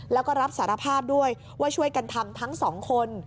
แล้วก็รับสารภาพด้วยว่าช่วยกันทำทั้งสองคน